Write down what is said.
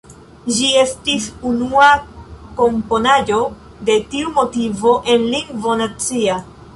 Ĝi estis unua komponaĵo de tiu motivo en lingvo nacia.